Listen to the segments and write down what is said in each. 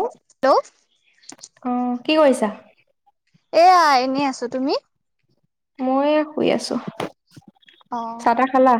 ও, hello অ', কি কৰিছা? এয়া, এনেই আছো। তুমি? মই শুই আছো। অ' চাহ তাহ খালা?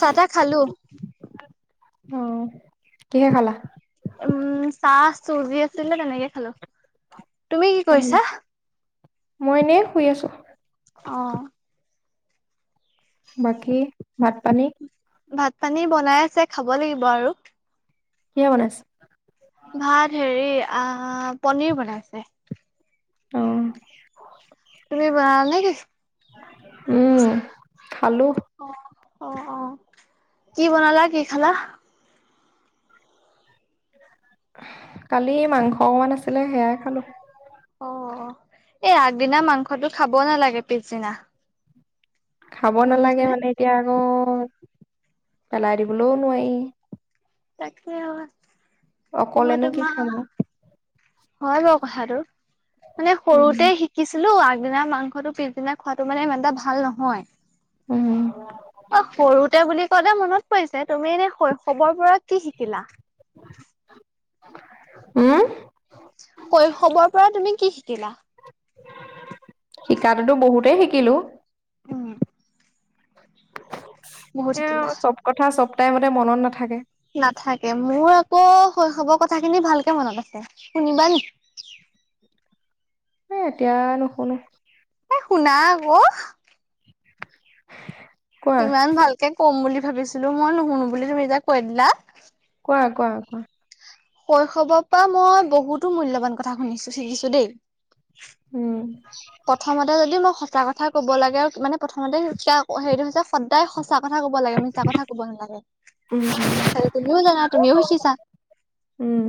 চাহ তাহ খালোঁ। অ', কিহে খালা? উম, চাহ চুজি আছিলে তেনেকে খালোঁ। তুমি কি অ কৰিছা? মই এনেই শুই আছোঁ। অ'। বাকী, ভাত পানী? ভাত পানী বনাই আছে, খাব লাগিব আৰু। কিহে বনাইছে? ভাত হেৰি, আআ, পনীৰ বনাইছে। অ'। তুমি বনালা নে কি? উম, খালোঁ। অ', অ', অ', কি বনালা, কি খালা? কালি মাংস অকমান আছিলে, সেয়াই খালোঁ। অ', এই আগদিনা মাংসটো খাব নালাগে পিছদিনা। খাব গম নালাগে পাইছানে মানে এতিয়া আকৌ, পেলাই দিবলৈও নোৱাৰি। তাকে [inaudible] মই অকলেনো কি তোমাৰ খাম আও! হয় বাৰু কথাটো, মানে উম সৰুতে সি শিকিছিলো আগদিনা মাংসটো পিছদিনা খোৱাটো মানে ইমান এটা ভাল নহয়। উম। অ', সৰুতে বুলি ক'লে মনত পৰিছে তুমি এনে শৈশৱৰ পৰা কি শিকিলা? উম? শৈশৱৰ পৰা তুমি কি শিকিলা? শিকাটোতো বহুতেই শিকিলোঁ। উম। বহুত সেয়াও শিকিলা। চব কথা চব টাইমতে মনত নাথাকে। নাথাকে, মোৰ আকৌ শৈশৱৰ কথা খিনি ভালকে মনত আছে। শুনিবা নেকি? এ এতিয়া নুশুনো। এ শুনা আকৌ, কোৱা ইমান ভালকে কম বুলি ভবিছিলো মই, নুশুনো বুলি তুমি যে কৈ দিলা! কোৱা, কোৱা, কোৱা। শৈশৱৰ পৰা মই বহুতো মূল্যবান কথা শুনিছোঁ-শিকিছোঁ দেই। উম। প্ৰথমতে যদি মই সঁচা কথা ক'ব লাগে-মানে প্ৰথমতে [unintelligible] হেৰিটো হৈছে সদায় সঁচা কথা ক'ব লাগে, মিছা কথা ক'ব নালাগে। উম। [inaudible] তুমিও জানা তুমিও শিকিছা। উম।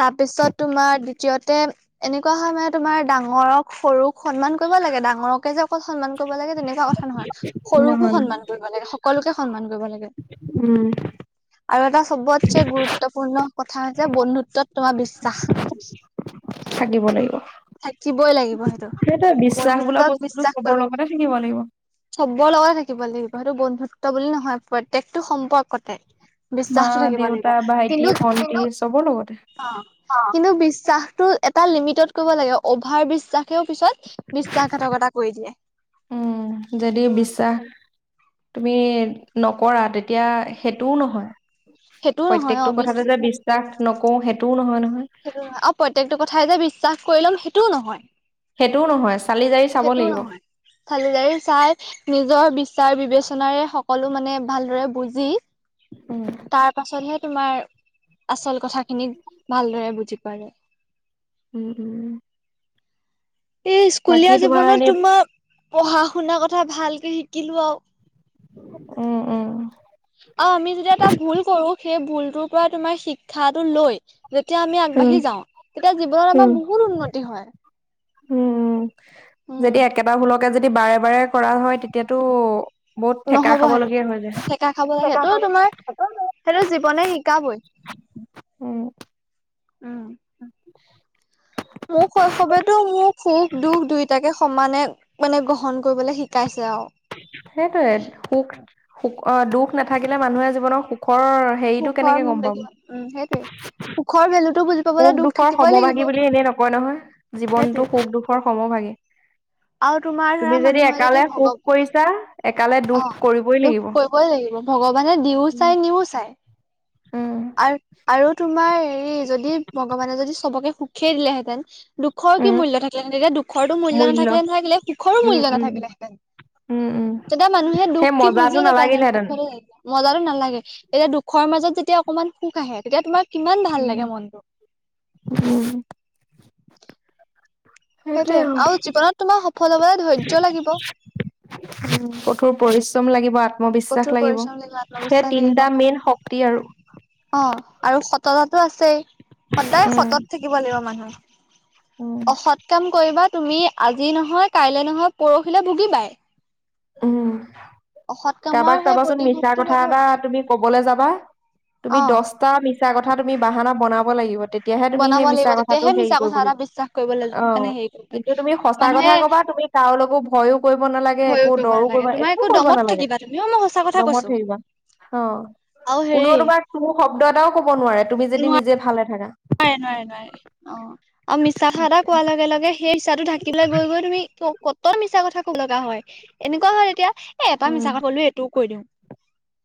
তাৰপিছত তোমাৰ দ্বিতীয়তে, এনেকুৱা হয় মানে তোমাৰ ডাঙৰক, সৰুক সন্মান কৰিব লাগে, ডাঙৰকে যে অকল সন্মান কব লাগে তেনেকুৱা কথা নহয় নহয় সৰুকো নহয় সন্মান কৰিব লাগে সকলোকে সন্মান কৰিব লাগে উম আৰু এটা সবতচে গুৰুত্বপূৰ্ণ কথা হৈছে বন্ধুত্বত তোমাৰ বিশ্বাস থাকিব লাগিব থাকিবই লাগিব সেইটো বিশ্বাস বোলা বন্ধুত্বত বস্তুটো বিশ্বাস চবৰ কৰিব লগতে থাকিব লাগিব চবৰ লগতে থাকিব লাগিব সেইটো বন্ধুত্ব বুলি নহয় প্ৰত্য়েকটো সম্পৰ্কতে মা বিশ্বাসতটো থাকিব লাগিব দেউতা ভাইটি কিন্তু ভন্টি চবৰ লগতে অ কিন্তু বিশ্বাসতটো এটা লিমিটত কৰিব লাগে অভাৰ ব্ৰিজ তাকেও পিছত বিশশ্বাসঘাতকতা কৰি দিয়ে উম যদি উ বিশ্বাস তুমি নকৰা তেতিয়া সেইটোও নহয় সেইটোও নহয় অ' প্ৰত্য়েকটো বিশ কথাতে যে বিশ্বাস নকোও সেইটোও নহয় নহয় সেইটো আৰু প্ৰত্্যেকটো কথাই যে বিশ্বাস কৰি ল'ম সেইটোও নহয় সেইটোও নহয় চালি জাৰি চাব লাগিব ফালদাৰী চাই নিজৰ বিচাৰ বিবেচনাৰে সকলো মানে ভালদৰে বুজি উম তাৰ পাছতহে তোমাৰ আচল কথা খিনিক ভালদৰে বুজি পায় উম উম এই বাকী স্কুলীয়া তোমাৰ জীৱনত এনে তোমাৰ পঢ়া শুনা কথা ভালকে শিকিলো আৰু অ অ অ আমি যদি এটা ভুল কৰো সেই ভুলটোৰ পৰা তোমাৰ শিক্ষাটো লৈ যেতিয়া আমি উম আগবাঢ়ি যাওঁ তেতিয়া জীৱনত উম উম আমাৰ বহুত উন্নতি হয় উম উম, যদি একেটা ফুলকে যদি বাৰে বাৰে কৰা হয় তেতিয়াতো বহুত থঠেকা নহ'ব খাব সেইটো লগগীয়া হৈ যায় ঠেকা খাব লাগে সেইটো খ তোমাৰ সেইটো জীৱনে শিকাবই উম উম উ মোৰ শৈশৱতো মোৰ সুখ দুখ দুয়টাকে সমানে মানে গ্ৰহণ কৰিবলে শিকাইছে আৰু সেইটোয়ে সুখ সুখ দুখ নাথাকিলে মানুহে জীৱন সুখৰ হেৰিতটো সুখৰ কেনেকে মুখ গম দেখি পাব উম সেইটোৱে সুখৰ ভেলুতো বুজ সুখ দুখৰ সমভাগী বুলি এনে নকয় নহয় জীৱনতটো সেইটোৱে। সুখ দুখৰ সমভাগী আৰু তোমাৰ ধৰা তুমি যদি মানুহে একালে সুখ কৰিছা একালে দুখ কৰিবই অন্তখ লাগিব। কৰিবই লাগিব ভগৱানে দিও উম। চাই নিও চাই উম, আৰু আৰু তোমাৰ হেৰি যদি ভগৱানে যদি চবকে সুখেই দিলেহেঁতেন দুখৰ কি উম, মূল্য থাকে তেতিয়া দুখৰো মূল মূল্য নাথিলে নাথাকিলে উম, সখৰোূল্য উম, নাথিলেতেন উম উম তেতিয়া মানুহে দুখ সেই কি মজাটো বুজি নাপায় নালাগিলেহেঁতেন। পখৰৰে য মজাো নালাগে এতিয়া দুখৰ মাজত যেতিয়া অকমান সুখ আহে তেতিয়া তোমাৰ কিমান ভাল লাগে মনটো উম সেইটোোৱে আৰু জীৱনত তোমাৰ সফল হবলৈ ধৈৰ্য লাগিব উ কঠোৰ পৰিশ্ৰম লাগিব মোৰ বিশ্বাস কঠোৰ লাগিব পৰিশ্ৰম সেই আত্মবিশ্বাস লাগিব তিনটা মেইন শক্তি আৰু অ আৰু সততাতটো আছেই সদায় উম, সতত থাকিব লাগিব উম, মানুহ অসৎ এক কাম কৰিবা তুমি আজি নহয় কাইলৈ নহয় পৰহিলৈ ভুগি পাই উম অসৎ কামৰ কাৰোবাক সেই চাবাচোন মিছা প্ৰতিশোধটো কথা এটা লবই তুমি কবলৈ যাবা তুমি অ দহ এটা মিছা কথা তুমি বাহানা বনাব লাগিব তেতিয়া তেতিয়াহে তুমি বনাব সেই মিছা লাগিব কথাটো তেতিয়াহে হেৰি মিছা কৰিব কথা এটা লাগিব বিশ্বাস কৰিবলৈ অ মানে হেৰি কৰিব পাৰে কিন্তু তুমি সঁচা কথা মানুহে ক'বা তুমি তেওঁলকো ভয়ো কৰিব নালাগে ভয়ো একো কৰিব দৰো নালাগে কৰিবা তোমাৰ একো কৰিব দমত নালাগে থাকিবা তুমি অ মই সঁচা কথা কৈছো দমত থৰিবা অ আৰু হেৰি কোনেও তোমাৰ কোনো শব্দ এটাও কব নোৱাৰে তুমি যদি নিজে ভালে থাকা নাৰে নোৱাৰে নোৱাৰে অ আৰু মিছাঠা এটা কোৱাৰ লগে লগে সেইাহটো ঢাকি লৈ গৈ গৈ তুমি কটৰ মিছা কথা ক'ব লগা হয় এনেকুৱা হয় তেতিয়া এ এপাৰ উম মিছা কথাল এইটোও কৈ দিওঁ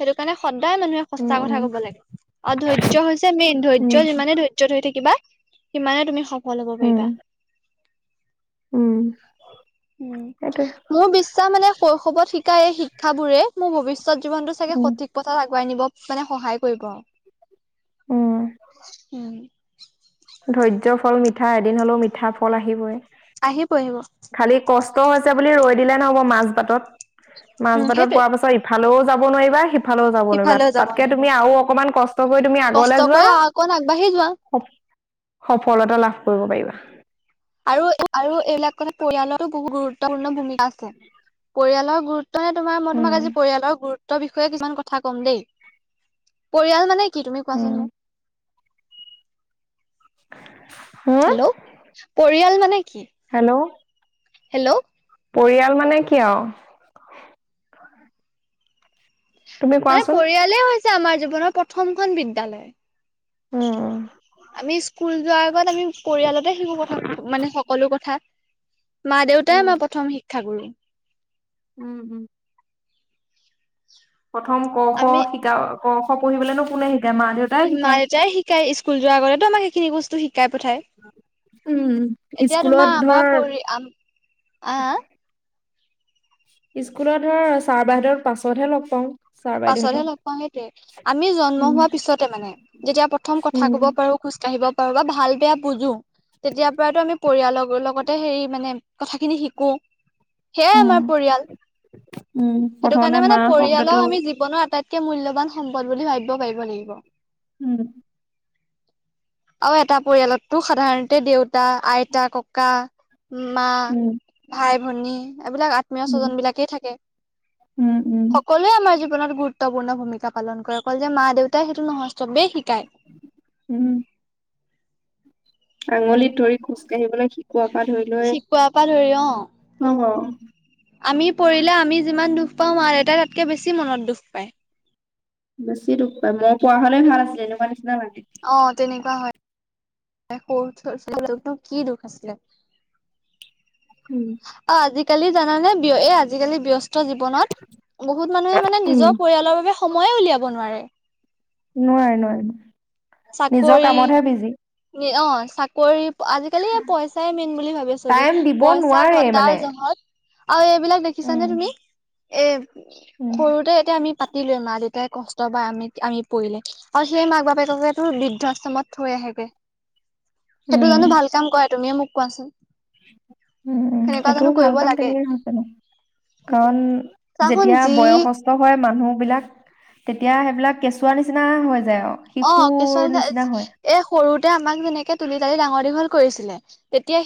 সেইটো কাৰণে সদায় মানুহে উম সচ্তা কথা উম কব লাগে আৰু ধৈৰ্য হৈছে মেইন উম ধৈৰ্য যিমানে ধৈৰ্য হৈ থাকিবা সিমানে তুমি সফল হব উম পাৰিবা উম উম সটো মোৰ বিশ্বাস মানে কৈশৱত শিকায় এই শিক্ষাবোৰে মোৰ ভৱিষ্যত জীৱনটো চাগে উম সঠিক পথত আগুৱাই নিব মানে সহায় কৰিব আৰু উম উম ধৈ্য ফল মিঠা এদিন হলেও মিঠা ফল আহিবই আহিিব আহিব খালি কষ্ট হৈছে বুলি ৰৈ দিলে নহ'ব মাছ বাটত মাছ উম বাটত সেইটোৱে প পাছত ভালেও যাব নোৱাৰিবা সেই ফালেও যাব নোৱাৰিবা সিফালেও যাব তাতকে নোৱাৰিবা তুমি আৰু অকনমান কষ্ট কৰি তুমি কষ্ট আগলে যোৱা কৰি অকণ আগবাঢ়ি যোৱা সফলতা লাভ কৰিব পাৰিবা আৰু আৰু এইবিলাক কথা পৰিয়ালতো বহুত গুৰুত্বপূৰ্ণ ভূমিকা আছে পৰিয়ালৰ গুৰুত ানে তোমাৰ মই তোমাক উম, আজি পৰিয়ালৰ গুৰুত্বৰ বিষয়ে কিছুমান কথা ক'ম দেই পৰিয়াল মানে কি তুমি উম, কোৱাচোন মোক হ হেল্ল' পৰিয়াল মানে কি হেল্ল' হেল্ল' পৰিয়াল মানে কিয় তুমি মানে কোৱাচোন পৰিয়ালেই হৈছে আমাৰ জীৱনৰ প্ৰথমখন বিদ্যয়ালয় উম আমি স্কুল যোৱাৰ আগত আমি পৰিয়ালতে শিকো কথা মানে সকলো কথা মা দেউতাই উম, মই প্ৰথম শিক্ষা কৰোম উম উম প্ৰথম ক খ আমি শিকা ক খ পঢ়িবলে নো কোনে শিকায় মাহ দেউ মা দেউতাই শিকাই স্কুল যোৱাৰ আগতেো আমাক সেইখিনি বস্তু শিকাই উম, পঠায় এতিয়া স্কুলত তোমাৰ আমাৰ ধৰ পৰি হ স্কুলত ধৰ ছাৰ বাহিৰত পাছতহে লগ পাওঁ ছাৰ পাছতহে বাইদেউহঁতক। লগ পাওঁ সেইটোয়ে আমি জন্ম উম, হোৱা পিছতে মানে যেতিয়া প্ৰথম কথা উম, কব পাৰো খোজ কাঢ়িব পাৰো বা ভাল বেয়া বুজো তেতিয়াৰ পৰাতো আমি পৰিয়ালৰ লগতে হেৰি মানে কথাখিনি শিকো সেইয়াই উম, আমাৰ পৰিয়াল উম, সেইটো প্ৰথমতে কাৰণে মানে মা শব্দটো পৰিয়ালৰ আমি জীৱনৰ আটাইতকে মূল্যবান সম্পদ বুলি ভাবিব পাৰিব লাগিব উম [inaudible] আৰু এটা পৰিয়ালতটো সাধাৰণতে দেউতা আইতা ককা মা, উম। ভাই-ভনী এইবিলাক আ আত্মীয় উম, স্বজন বিলাকেই থাকে। উম, উম, সকলোৱে আমাৰ জীৱনত গুৰুত্বপূৰ্ণ ভূমিকা পালন কৰে। অকল যে মা- দেউতাই সেইটো নহয় চবে শিকায়। উম' আঙুলিত ধৰি খোজ কাঢ়িবলৈ শিকোৱা পৰা ধৰি লৈ শিকোৱাৰ পৰা ধৰি অ অ' আমি পৰিলে আমি যিমান দুখ পাওঁ মা-দেউতাই তাতকৈ বেছি মনত দুখ পায়। বেছি দুখ পায় মই পোৱা হলে ভাল আছিলে এনেকুৱা নিচিনা মানে। তেনেকুৱা হয়। এ সছিল কি দুখ আছিলে [unintelligible] উম' অ' আজিকালি জানানে এ' আজিকালি ব্যস্ত জীৱনত বহুত মানুহে মানে উম, নিজৰ পৰিয়ালৰ বাবে সময়ে উলিয়াব নোৱাৰে। নোৱাৰে- নোৱাৰে ন। চাকৰি অ' চাকৰি আজি-কালি পইচাই মেইন বুলি ভাবে চবে। টাইম দিব পইচা নোৱাৰে ঘটা মানে। জহত আৰু এই বিলাক উম, দেখিছাানে তুমি এ' উম, সৰুতে এতিয়া আমি প তি লৈ মা দেউতাই কষ্ট পায় আমি আমি পৰিলে আৰু সেই মাক বাপেককে তোৰ বৃদ্ধাশ্ৰমত থৈ আহেগৈ। সেইটো জানো উম, ভাল কাম কৰা তুমিয়ে মোক কোৱাচোন। উম', উ' সেনেকুৱা জানো সেইটোও ভাল কৰিব কাম লাগে কেনেকৈ হৈছেনু সেইটোৱে কাৰণ চাচোন যেতিয়া যি বয়সক নষ্ট হয় মানুহ বিলাক তেতিয়া সেইবিলাক কেঁচুৱা নিচিনা হৈ যায় আৰু। অ' শিশুৰ কিছুমান নিচিনা হয় এ সৰুতে আমাক যেনেকে তুলি তালি ডাঙৰ দীঘল কৰিছিলে। তেতিয়া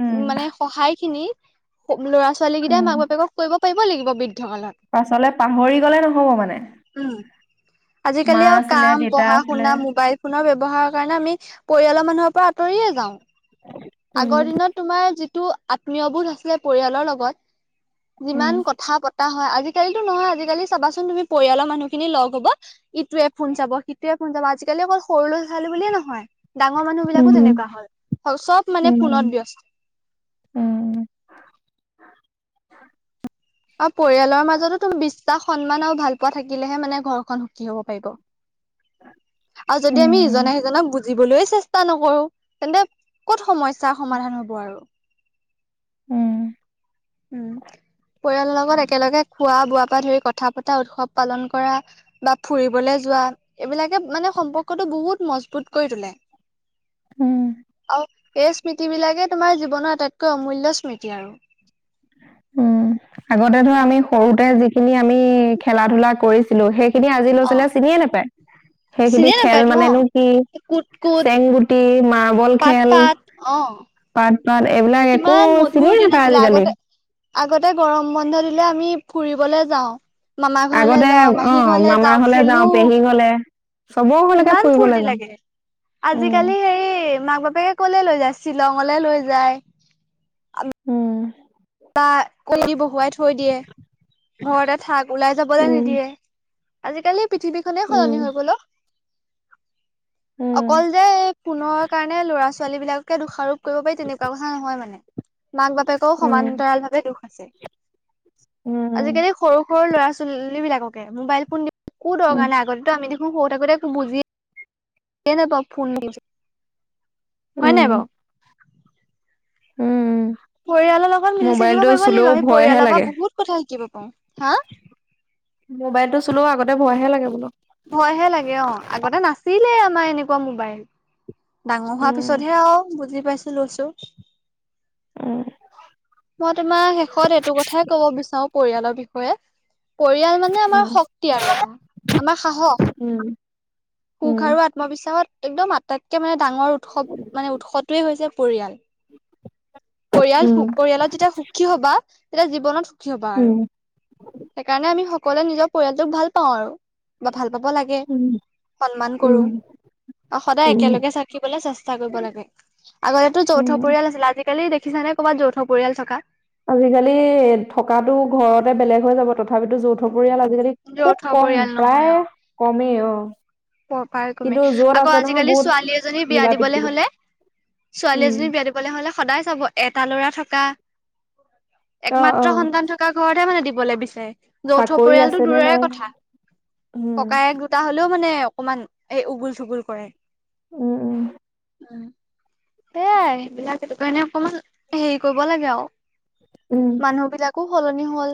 উম, মানে সহায় খিনি ল'ৰা-ছোৱালী কেইটাই উম। মাক-বাপেকক কৰিব পাৰি লাগিব বৃদ্ধ কালত। পাছলে পাহৰি গলে নহব মানে। উম' মা আজি-কালি আৰু আছিলে কাম, দেউতা আছিলে। পঢ়া-শুনা মোবাইল ফোনৰ ব্যৱহাৰৰ কাৰণে আমি পৰিয়ালৰ মানুহৰ পৰা আঁতৰিয়ে যাওঁ। হয়। আগৰ দিনত তোমাৰ যিটো আত্মীয়বোধ আছিলে পৰিয়ালৰ লগত উম। যিমান কথা পতা হয় আজি-কালি নহয় আজি-কালি চাবাচোন তুমি পৰিয়ালৰ মানুহ খিনি লগ হ'ব ইটোৱে ফোন চাব, সিটোৱে ফোন চাব আজি-কালি অকল সৰু লৰা-ছোৱালী বুলিয়ে নহয় ডাঙৰ মানুহ বিলাকো উম তেনেকুৱা হল চব। মানে ফোনত উম', ব্যস্ত উম'। আৰু পৰিয়ালৰ মাজতো তোমাৰ,, বিশ্বাস, সন্মান আৰু ভাল পোৱা থাকিলেহে মানে ঘৰখন সুখী হব পাৰিব। আৰু যদি আমি উম ইজনা- সিজনক বুজি জিবলৈ চেষ্টা নকৰো তেন্তে ক'ত সমস্যা সমাধান হব আৰু। উম' উম' পৰিয়ালৰ লগত একেলগে খোৱা-বোৱাৰ পৰা ধৰি কথা পতা উৎসৱ পালন কৰা বা ফুৰিবলৈ যোৱা এইবিলাকে মানে সম্পৰ্কটো বহুত মজবুত কৰি তোলে। [unintelligible] উম' আৰু এই স্মৃতি বিলাকে তোমাৰ জীৱনৰ আটাইতকৈ অমূল্য় স্মৃতি আৰু। উম আগতে ধৰ উম আমি সৰুতে যিখিনি আমি খেলা-ধূলা কৰিছ ো সেইখিনি আজি অ ল'ৰা-ছোৱালীয়ে চিনিয়ে নোপায়, সেইখিনি চিনিয়ে খেল নাপায়তো মানেনো কি? অ কুট কুট চেংগুটি, মাৰ্বল পাত খেল, পাত অ পাত নহ এইবিলাক একো কিমান মধুৰ চিনিয়ে দিন নাপায় আছিলে আজি-কালি আগতে আগতে গৰম বন্ধ দিলে আমি ফুৰিবলৈ যাওঁ। মামা ঘৰলৈ আগতে যাওঁ, অ মাহী ঘৰলৈ মামাৰ যাওঁ, ঘৰলে খেলো। পেহী ঘৰলে চবৰ ঘৰলৈকে কিমান ফুৰিবলৈ ফূুৰ্তি যাওঁ। লাগে। উম আজি-কালি হেৰি মাক-বাপেক লৈ যায় শ্বিলংলে লৈ যায়। উম বা কণ দি বহুৱাই থৈ দিয়ে ঘৰতে থাক ওলাই যাবলৈ উম নিদিয়ে আজিকালি পৃথিৱী কনে উম সলনি হৈ গল উম অকল যে পুনৰ কাৰণে ল'ৰা ছোৱালী বিলাকে দুষাৰোপ কৰিব পাৰি তেনেকুৱা কথা নহয় মানে মাক বাপেকেও সমান্তৰাল ভাৱে দুখ আছে উম উম। আজিকালি সৰু সৰু ল'ৰা ছোৱালী বিলাককে মোবাইল ফোন দি কো উম দৰকাৰ নাই আগত ত আমি দেখ সত থোতে বুজি স নাই বাৰু ফোন হয় উম নাই বাৰু উম উ পৰিয়ালৰ লগত মিলি থাকিব পাৰিব লাগিব আমি ভয়হে পৰিয়ালৰ পৰা লাগে। বহুত কথা শিকিব পাৰো হা মোবাইলটো চোও আগতে ভয়াহে লাগে বোলো ভয় হে লাগে অ আগতে নাছিলেই আমাৰ এনেকুৱা মোবাইল ডাঙৰ হোৱা উম, পিছতহে আৰু বুজি পাইছো লৈছো উ মই তোমাৰ শেষত এইটো কথাই কব বিচাৰো পৰিয়ালৰ বিষয়ে পৰিয়াল মানে আমাৰ উম, শক্তি আৰু এটা আমাৰ সাহস সুখ উম, আৰু এটা আত্মবিশ্বাসত একদম আটাইতকে মানে ডাঙৰ উৎসৱ মানে উৎসটোৱে হৈছে পৰিয়াল পৰিয়াল উম, পৰিয়ালত যেতিয়া সুখী হবা তেতিয়া জীৱনত সুখী হবা আৰু উম, সেইকাৰণে আমি সকলোৱে নিজৰ পৰিয়ালটোক ভাল পাওঁ আৰু বা ভাল পাব লাগে উম, উম, সন্মান কৰো উম, অ সদায় উম, একেলগে থাকিবলৈ চেষ্টা কৰিব লাগে আগতেো যৌথ উম। পৰিয়াল আছিলে আজি আালি দেখিছ নে ক'ৰবাত যৌথ পৰিয়াল চকা আজিকালি এ থকাতো ঘৰতে বেলেগ হৈ যাব তথাপিতো যৌথ পৰিয়াল আজিকালি যৌথ খুব কম পৰিয়াল প্ৰায় কমেই অ প পাৰ তুমি কিন্তু য'ত আকৌ আছে নহয় আজিকালি বহুত ছোৱালী এজনী বিয়া মিলা দিবলৈ প্ৰীতিকে হলে ছোৱালী এজনী উম বিয়া দিব চবলে হলে সদায় চাব এটা লৰা থকা অ', একমাত্ৰ অ', সন্তান থকা ককা ঘৰতহে মানে দিবলৈ বিচাৰে যৌথ চাকৰি পৰিয়ালটো আছে নে দূৰেৰে নাই কথা উম ককায়ে ত হ'লেও মানে অকমান এই গুল চগুল কৰে উম উম উ এইয়াই সেইবিলাক সেইটো কাৰণে অকমান হেৰি কৰিব লাগে আৰু উম মানুহ বিলাকো সলনি হ'ল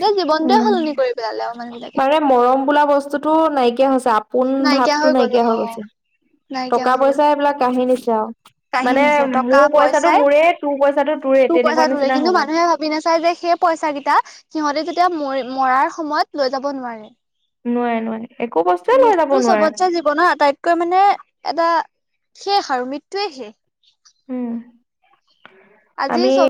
গোয়া জীৱনটয়ে উম সলনি কৰি পেলালে আৰু মানুহ বিলাকে মানে মৰম বোলা বস্তুতটো নাইকিয়া হৈছে আপোন ভাৱটো নাইকিয়া হৈ গৈছে নাইকিয়া টকা হৈ গ'ল পইচা এইবিলাক কহি নিছে আৰু মানে কাহিনীছে মোৰ পইচাটো মোৰে তোৰ পইচা তইৰে কিন্তু মুহে ভ মি নচাই যে সেই পইচা কেইটা সিহঁতে যেতিয়া ম মৰাৰ সময়ত লৈ যাব নোৱাৰে নোৱাৰে নোৱাৰে একো বস্তুৱয়ে লৈ যাব নোৱাৰে ন তাইত কৈ মানে এটা শেষ আৰু মৃত্যুৱে শেষ উম আজি আমি চব